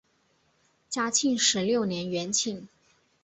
嘉庆十六年园寝。